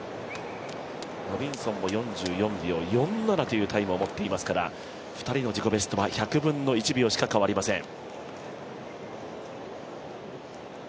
ロビンソンも４４秒４７というタイムを持っていますから、２人の自己ベストは１００分の１秒しか変わりません。